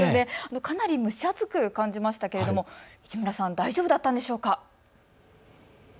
かなり蒸し暑く感じましたけれども市村さん、大丈夫だったんでしょうか。